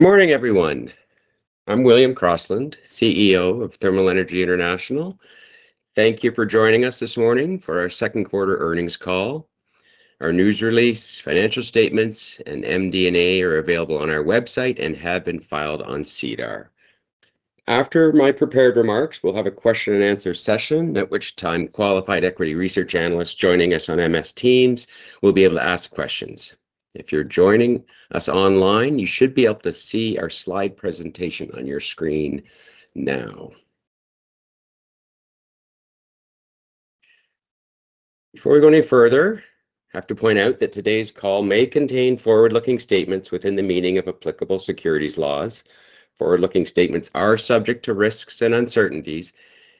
...Good morning, everyone. I'm William Crossland, CEO of Thermal Energy International. Thank you for joining us this morning for our second quarter earnings call. Our news release, financial statements, and MD&A are available on our website and have been filed on SEDAR. After my prepared remarks, we'll have a question and answer session, at which time qualified equity research analysts joining us on MS Teams will be able to ask questions. If you're joining us online, you should be able to see our slide presentation on your screen now. Before we go any further, I have to point out that today's call may contain forward-looking statements within the meaning of applicable securities laws. Forward-looking statements are subject to risks and uncertainties,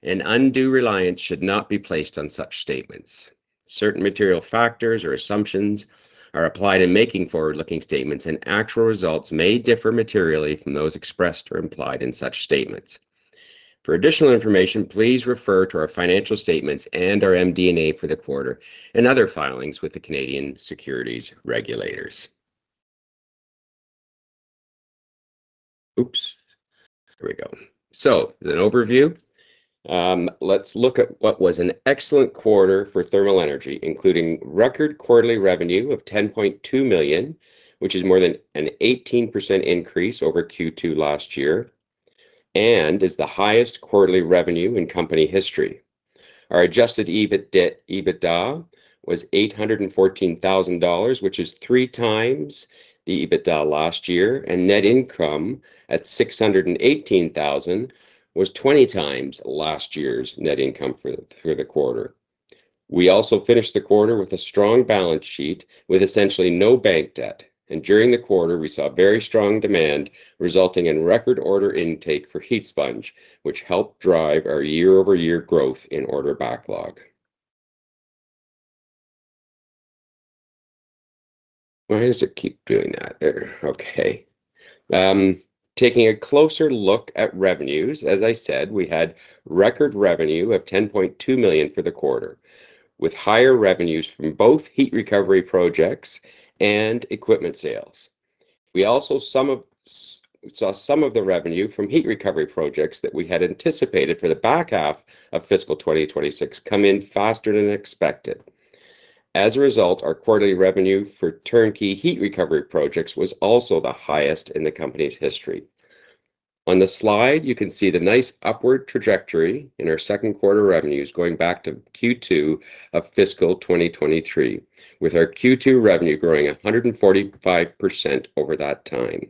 and undue reliance should not be placed on such statements. Certain material factors or assumptions are applied in making forward-looking statements, and actual results may differ materially from those expressed or implied in such statements. For additional information, please refer to our financial statements and our MD&A for the quarter and other filings with the Canadian Securities Regulators. Oops, here we go. So as an overview, let's look at what was an excellent quarter for Thermal Energy, including record quarterly revenue of 10.2 million, which is more than an 18% increase over Q2 last year and is the highest quarterly revenue in company history. Our adjusted EBITDA was 814,000 dollars, which is three times the EBITDA last year, and net income at 618,000 was twenty times last year's net income for the quarter. We also finished the quarter with a strong balance sheet, with essentially no bank debt, and during the quarter, we saw very strong demand, resulting in record order intake for HeatSponge, which helped drive our year-over-year growth in order backlog. Why does it keep doing that there? Okay. Taking a closer look at revenues, as I said, we had record revenue of 10.2 million for the quarter, with higher revenues from both heat recovery projects and equipment sales. We also saw some of the revenue from heat recovery projects that we had anticipated for the back half of fiscal 2026 come in faster than expected. As a result, our quarterly revenue for turnkey heat recovery projects was also the highest in the company's history. On the slide, you can see the nice upward trajectory in our second quarter revenues going back to Q2 of fiscal 2023, with our Q2 revenue growing 145% over that time.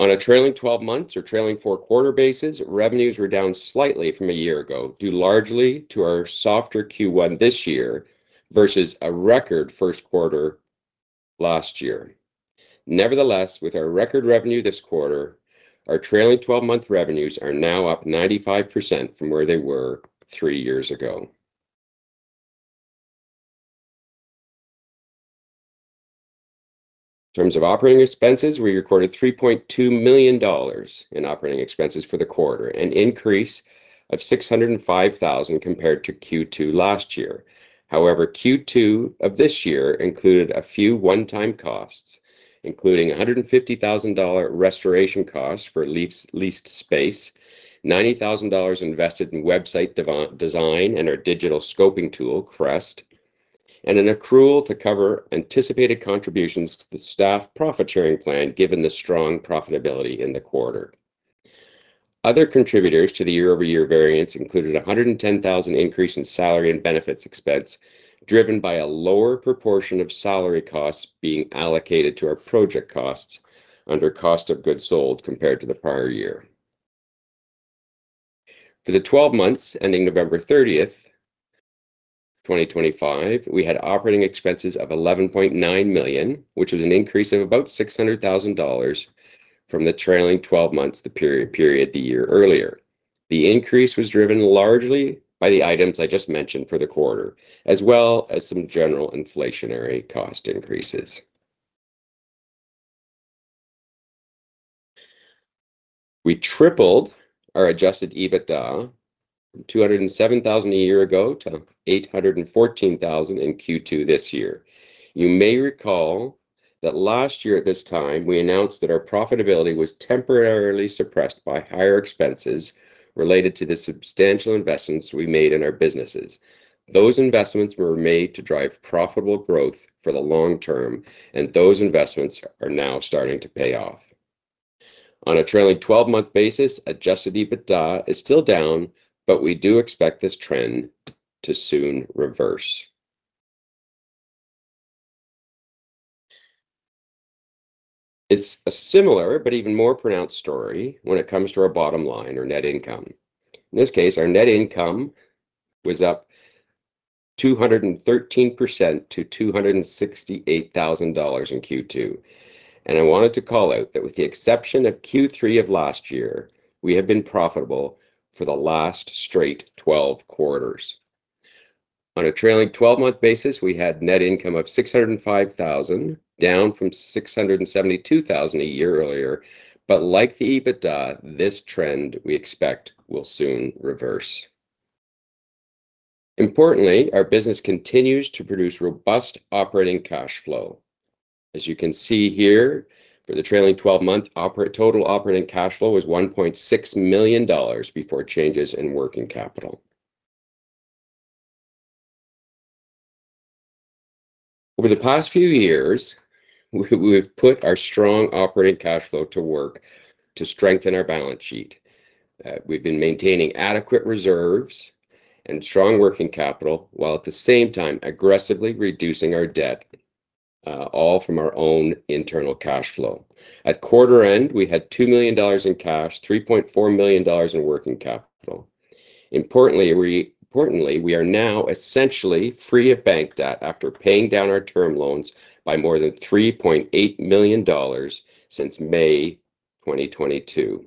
On a trailing twelve months or trailing four-quarter basis, revenues were down slightly from a year ago, due largely to our softer Q1 this year versus a record first quarter last year. Nevertheless, with our record revenue this quarter, our trailing twelve-month revenues are now up 95% from where they were three years ago. In terms of operating expenses, we recorded 3.2 million dollars in operating expenses for the quarter, an increase of 605 thousand compared to Q2 last year. However, Q2 of this year included a few one-time costs, including 150,000 dollar restoration costs for leased space, 90,000 dollars invested in website design and our digital scoping tool, CREST, and an accrual to cover anticipated contributions to the staff profit-sharing plan, given the strong profitability in the quarter. Other contributors to the year-over-year variance included a 110,000 increase in salary and benefits expense, driven by a lower proportion of salary costs being allocated to our project costs under cost of goods sold compared to the prior year. For the 12 months ending November 30th, 2025, we had operating expenses of 11.9 million, which was an increase of about 600,000 dollars from the trailing twelve months, the period the year earlier. The increase was driven largely by the items I just mentioned for the quarter, as well as some general inflationary cost increases. We tripled our Adjusted EBITDA, from 207,000 a year ago to 814,000 in Q2 this year. You may recall that last year at this time, we announced that our profitability was temporarily suppressed by higher expenses related to the substantial investments we made in our businesses. Those investments were made to drive profitable growth for the long term, and those investments are now starting to pay off. On a trailing twelve-month basis, Adjusted EBITDA is still down, but we do expect this trend to soon reverse. It's a similar but even more pronounced story when it comes to our bottom line or net income. In this case, our net income was up 213% to 268,000 dollars in Q2. I wanted to call out that with the exception of Q3 of last year, we have been profitable for the last straight twelve quarters. On a trailing twelve-month basis, we had net income of 605,000, down from 672,000 a year earlier. Like the EBITDA, this trend we expect will soon reverse. Importantly, our business continues to produce robust operating cash flow. As you can see here, for the trailing twelve-month total operating cash flow was 1.6 million dollars before changes in working capital. Over the past few years, we have put our strong operating cash flow to work to strengthen our balance sheet. We've been maintaining adequate reserves and strong working capital, while at the same time aggressively reducing our debt, all from our own internal cash flow. At quarter end, we had 2 million dollars in cash, 3.4 million dollars in working capital. Importantly, we are now essentially free of bank debt after paying down our term loans by more than 3.8 million dollars since May 2022,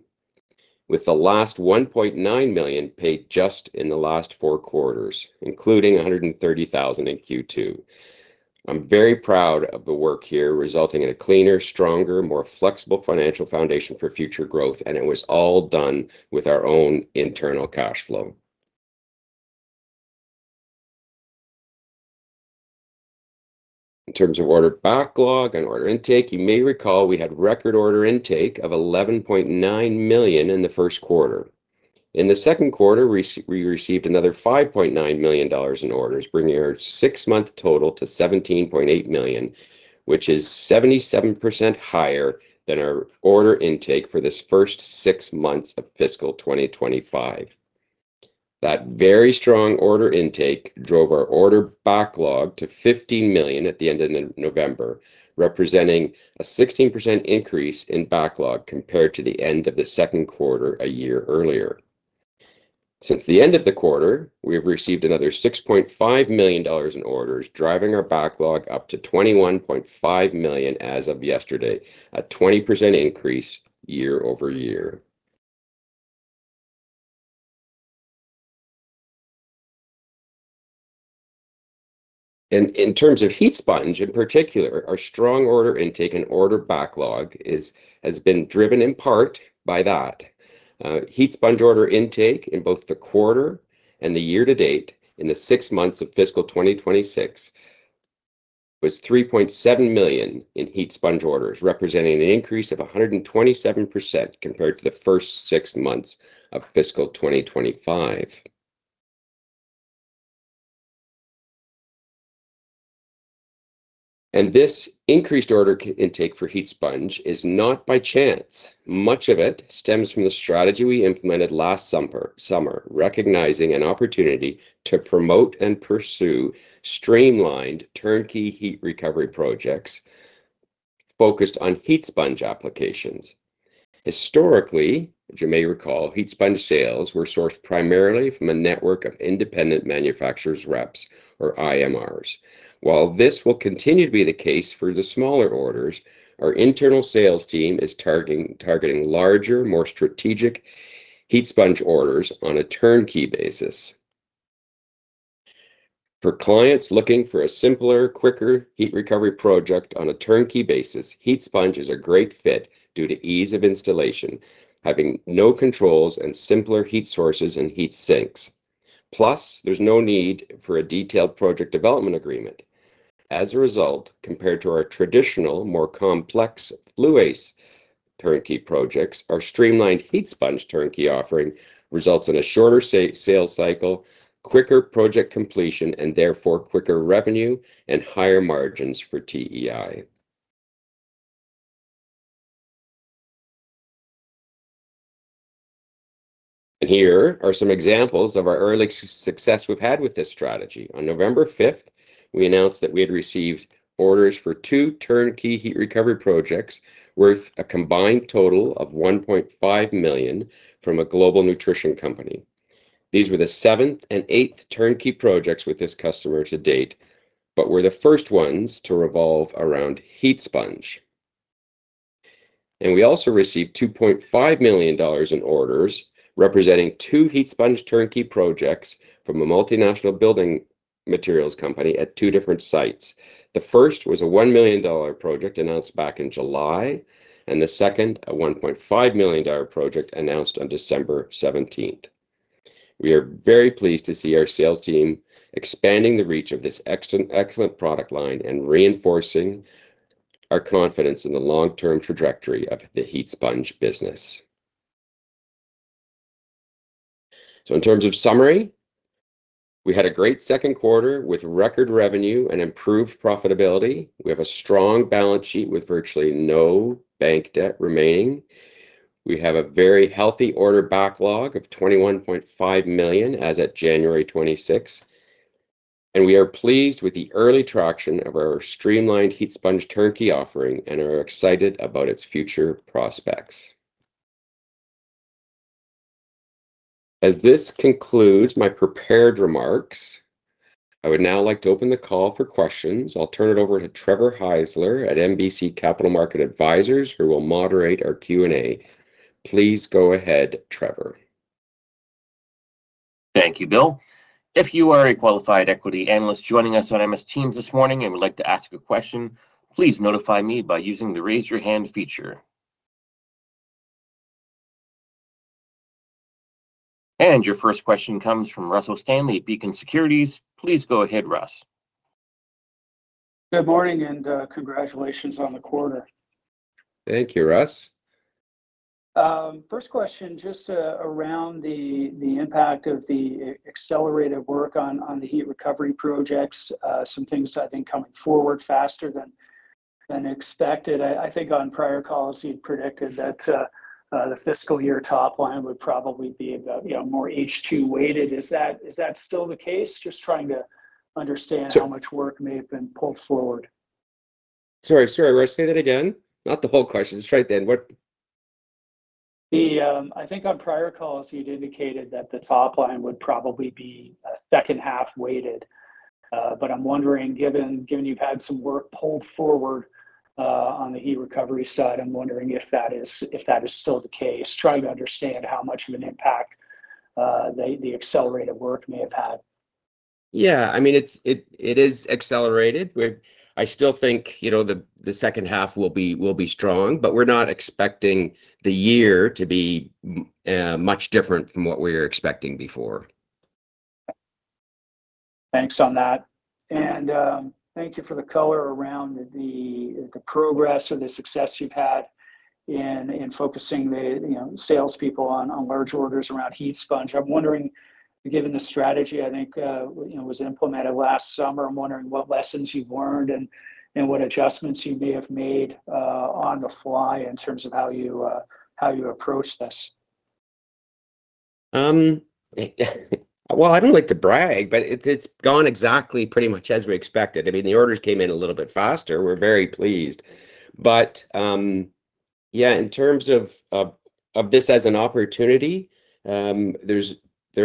with the last 1.9 million paid just in the last four quarters, including 130,000 in Q2. I'm very proud of the work here, resulting in a cleaner, stronger, more flexible financial foundation for future growth, and it was all done with our own internal cash flow. In terms of order backlog and order intake, you may recall we had record order intake of 11.9 million in the first quarter. In the second quarter, we received another 5.9 million dollars in orders, bringing our six-month total to 17.8 million, which is 77% higher than our order intake for this first six months of fiscal 2025. That very strong order intake drove our order backlog to 50 million at the end of November, representing a 16% increase in backlog compared to the end of the second quarter a year earlier. Since the end of the quarter, we have received another 6.5 million dollars in orders, driving our backlog up to 21.5 million as of yesterday, a 20% increase year-over-year. In terms of HeatSponge in particular, our strong order intake and order backlog has been driven in part by that. HeatSponge order intake in both the quarter and the year-to-date in the six months of fiscal 2026 was 3.7 million in HeatSponge orders, representing an increase of 127% compared to the first six months of fiscal 2025. This increased order intake for HeatSponge is not by chance. Much of it stems from the strategy we implemented last summer, recognizing an opportunity to promote and pursue streamlined turnkey heat recovery projects focused on HeatSponge applications. Historically, as you may recall, HeatSponge sales were sourced primarily from a network of independent manufacturers' reps or IMRs. While this will continue to be the case for the smaller orders, our internal sales team is targeting larger, more strategic HeatSponge orders on a turnkey basis. For clients looking for a simpler, quicker heat recovery project on a turnkey basis, HeatSponge is a great fit due to ease of installation, having no controls and simpler heat sources and heat sinks. Plus, there's no need for a detailed project development agreement. As a result, compared to our traditional, more complex FLU-ACE turnkey projects, our streamlined HeatSponge turnkey offering results in a shorter sales cycle, quicker project completion, and therefore quicker revenue and higher margins for TEI. Here are some examples of our early success we've had with this strategy. On November 5th, we announced that we had received orders for two turnkey heat recovery projects worth a combined total of 1.5 million from a global nutrition company. These were the seventh and eighth turnkey projects with this customer to date, but were the first ones to revolve around HeatSponge. We also received $2.5 million in orders, representing two HeatSponge turnkey projects from a multinational building materials company at two different sites. The first was a $1 million project announced back in July, and the second, a $1.5 million project, announced on December 17th. We are very pleased to see our sales team expanding the reach of this excellent product line and reinforcing our confidence in the long-term trajectory of the HeatSponge business. In terms of summary, we had a great second quarter with record revenue and improved profitability. We have a strong balance sheet with virtually no bank debt remaining. We have a very healthy order backlog of 21.5 million as at January 26, and we are pleased with the early traction of our streamlined HeatSponge turnkey offering and are excited about its future prospects. As this concludes my prepared remarks, I would now like to open the call for questions. I'll turn it over to Trevor Heisler at MBC Capital Markets Advisors, who will moderate our Q&A. Please go ahead, Trevor. Thank you, Bill. If you are a qualified equity analyst joining us on MS Teams this morning and would like to ask a question, please notify me by using the Raise Your Hand feature.... Your first question comes from Russell Stanley at Beacon Securities. Please go ahead, Russ. Good morning, and congratulations on the quarter. Thank you, Russ. First question, just around the impact of the accelerated work on the heat recovery projects. Some things I think coming forward faster than expected. I think on prior calls you'd predicted that the fiscal year top line would probably be about, you know, more H2 weighted. Is that still the case? Just trying to understand- Sure. How much work may have been pulled forward. Sorry, sorry, Russ, say that again? Not the whole question, just right then. What- I think on prior calls you'd indicated that the top line would probably be second half weighted. But I'm wondering, given you've had some work pulled forward on the heat recovery side, I'm wondering if that is still the case. Trying to understand how much of an impact the accelerated work may have had. Yeah. I mean, it is accelerated. We're – I still think, you know, the second half will be strong, but we're not expecting the year to be much different from what we were expecting before. Thanks on that. And, thank you for the color around the, the progress or the success you've had in, in focusing the, you know, salespeople on, on large orders around HeatSponge. I'm wondering, given the strategy, I think, you know, was implemented last summer, I'm wondering what lessons you've learned and, and what adjustments you may have made, on the fly in terms of how you, how you approach this. Well, I don't like to brag, but it's gone exactly pretty much as we expected. I mean, the orders came in a little bit faster. We're very pleased. But, yeah, in terms of of this as an opportunity, there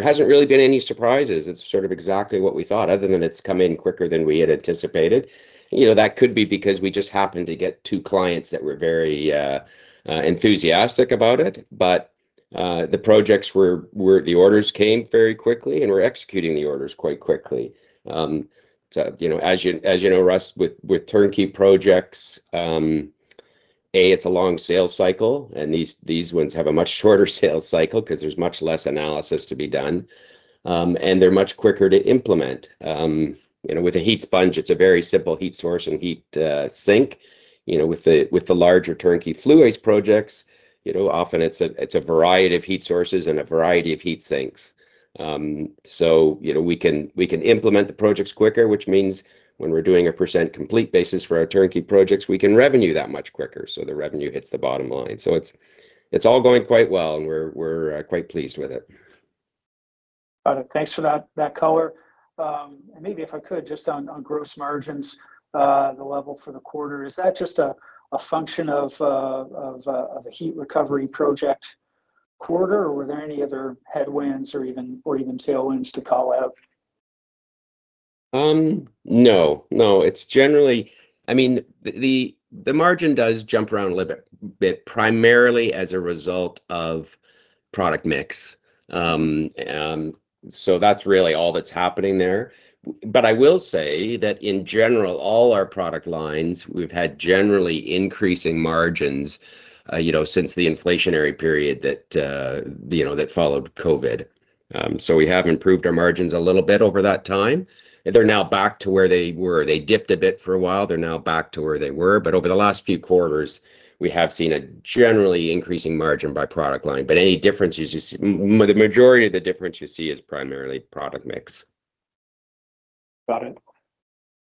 hasn't really been any surprises. It's sort of exactly what we thought, other than it's come in quicker than we had anticipated. You know, that could be because we just happened to get two clients that were very enthusiastic about it. But, the projects were, were. The orders came very quickly, and we're executing the orders quite quickly. So, you know, as you know, Russ, with turnkey projects, A, it's a long sales cycle, and these ones have a much shorter sales cycle because there's much less analysis to be done. And they're much quicker to implement. You know, with a HeatSponge, it's a very simple heat source and heat sink. You know, with the, with the larger turnkey FLU-ACE projects, you know, often it's a, it's a variety of heat sources and a variety of heat sinks. So, you know, we can, we can implement the projects quicker, which means when we're doing a percent complete basis for our turnkey projects, we can revenue that much quicker, so the revenue hits the bottom line. So it's, it's all going quite well, and we're, we're quite pleased with it. Got it. Thanks for that, that color. And maybe if I could, just on gross margins, the level for the quarter, is that just a function of a heat recovery project quarter, or were there any other headwinds or even tailwinds to call out? No, no. It's generally... I mean, the margin does jump around a little bit, primarily as a result of product mix. And so that's really all that's happening there. But I will say that in general, all our product lines, we've had generally increasing margins, you know, since the inflationary period that, you know, that followed COVID. So we have improved our margins a little bit over that time. They're now back to where they were. They dipped a bit for a while. They're now back to where they were. But over the last few quarters, we have seen a generally increasing margin by product line. But any differences you see, the majority of the difference you see is primarily product mix. Got it.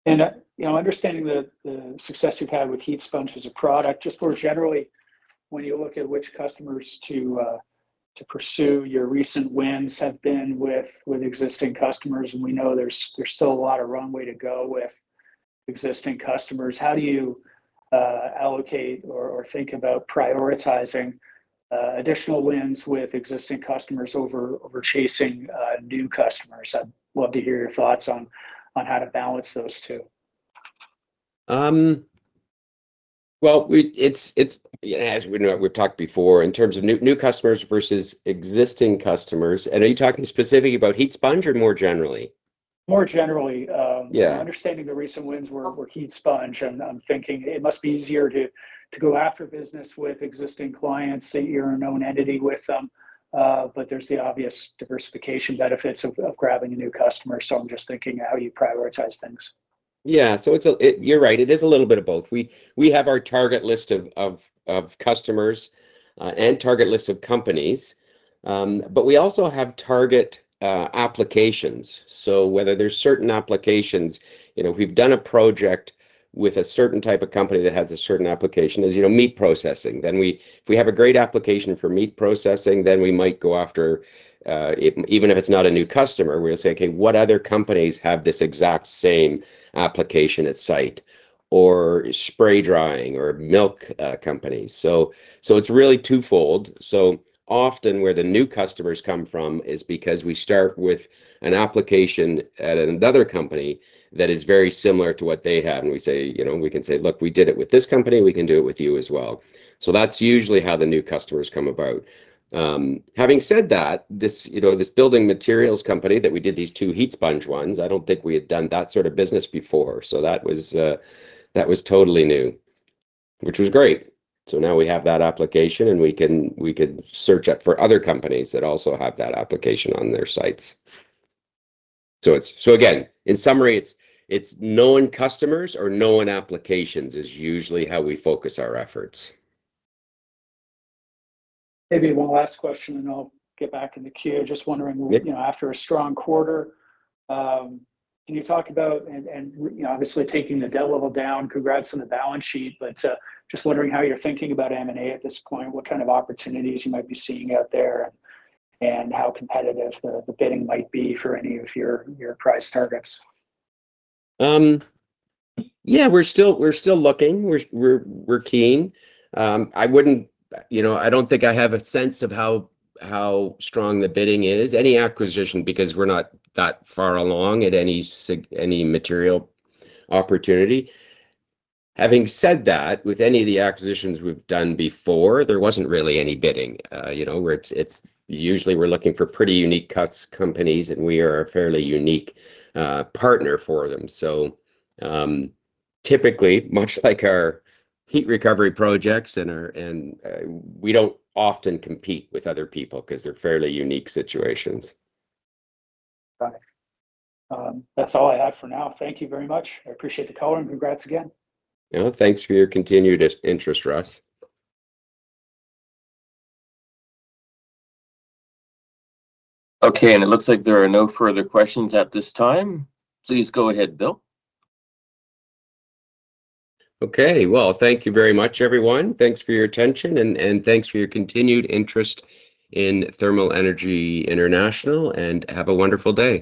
And, you know, understanding the success you've had with HeatSponge as a product, just more generally, when you look at which customers to pursue, your recent wins have been with existing customers, and we know there's still a lot of runway to go with existing customers. How do you allocate or think about prioritizing additional wins with existing customers over chasing new customers? I'd love to hear your thoughts on how to balance those two. Well, it's, it's, as we know, we've talked before, in terms of new, new customers versus existing customers, and are you talking specifically about HeatSponge or more generally? More generally. Yeah. Understanding the recent wins were HeatSponge, and I'm thinking it must be easier to go after business with existing clients, that you're a known entity with them. But there's the obvious diversification benefits of grabbing a new customer. So I'm just thinking how you prioritize things. Yeah. So it's... You're right. It is a little bit of both. We have our target list of customers and target list of companies. But we also have target applications. So whether there's certain applications, you know, we've done a project with a certain type of company that has a certain application, as you know, meat processing. Then if we have a great application for meat processing, then we might go after, even if it's not a new customer, we'll say, "Okay, what other companies have this exact same application at site?" Or spray drying or milk companies. So it's really twofold. So often where the new customers come from is because we start with an application at another company that is very similar to what they have. And we say, you know, we can say, "Look, we did it with this company, we can do it with you as well." So that's usually how the new customers come about. Having said that, this, you know, this building materials company, that we did, these two HeatSponge ones, I don't think we had done that sort of business before, so that was, that was totally new, which was great. So now we have that application, and we can, we could search out for other companies that also have that application on their sites. So it's, so again, in summary, it's, it's knowing customers or knowing applications is usually how we focus our efforts. Maybe one last question, and I'll get back in the queue. Just wondering- Yeah... you know, after a strong quarter, can you talk about, and you know, obviously taking the debt level down, congrats on the balance sheet, but just wondering how you're thinking about M&A at this point. What kind of opportunities you might be seeing out there, and how competitive the bidding might be for any of your price targets? Yeah, we're still looking. We're keen. I wouldn't, you know, I don't think I have a sense of how strong the bidding is, any acquisition, because we're not that far along at any material opportunity. Having said that, with any of the acquisitions we've done before, there wasn't really any bidding. You know, it's usually we're looking for pretty unique companies, and we are a fairly unique partner for them. So, typically, much like our heat recovery projects and our... and we don't often compete with other people, 'cause they're fairly unique situations. Got it. That's all I had for now. Thank you very much. I appreciate the call, and congrats again. Yeah, thanks for your continued interest, Russ. Okay, and it looks like there are no further questions at this time. Please go ahead, Bill. Okay. Well, thank you very much, everyone. Thanks for your attention, and thanks for your continued interest in Thermal Energy International, and have a wonderful day.